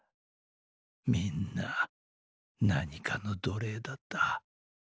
みんな何かの奴隷だった。